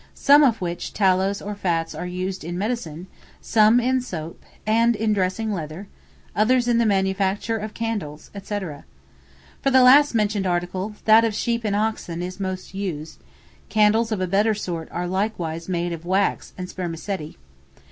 some of which tallows or fats are used in medicine, some in making soap, and dressing leather; others in the manufacture of candles, &c. For the last mentioned article, that of sheep and oxen is most used; candles of a better sort are likewise made of wax and spermaceti.